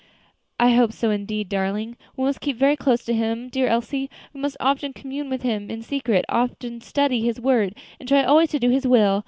"I hope so indeed, darling. We must keep very close to Him, dear Elsie; we must often commune with Him in secret; often study His word, and try always to do His will.